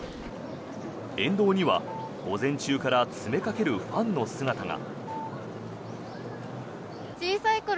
沿道には午前中から詰めかけるファンの姿が。